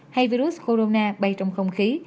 hay virus corona bay trong không khí